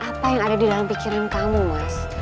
apa yang ada di dalam pikiran kamu mas